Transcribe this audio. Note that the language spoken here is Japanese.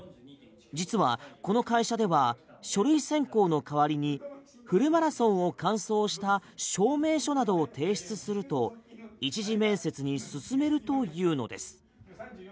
実はこの会社では書類選考の代わりにフルマラソンを完走した証明書などを提出すると１次面接に進めるというのです。